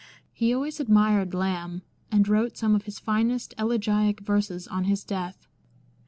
He always admired Lamb, and wrote some of his finest elegiac verses on his death.